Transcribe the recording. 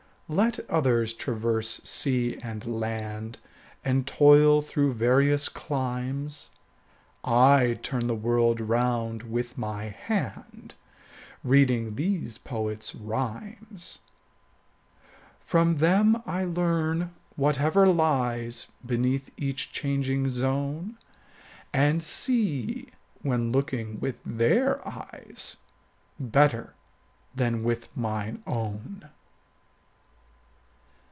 Let others traverse sea and land, And toil through various climes, 30 I turn the world round with my hand Reading these poets' rhymes. From them I learn whatever lies Beneath each changing zone, And see, when looking with their eyes, 35 Better than with mine own.